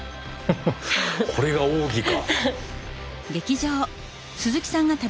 これが奥義か。